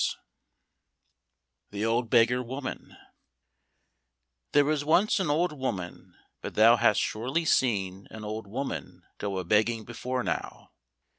150 The Old Beggar Woman There was once an old woman, but thou hast surely seen an old woman go a begging before now?